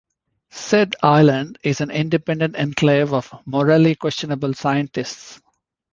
Said island is an independent enclave of morally questionable scientists.